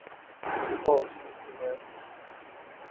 بہت مشکل ہے